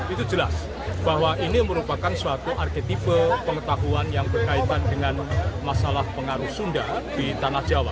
itu jelas bahwa ini merupakan suatu arketipe pengetahuan yang berkaitan dengan masalah pengaruh sunda di tanah jawa